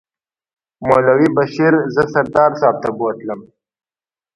مولوي بشیر زه سردار صاحب ته بوتلم.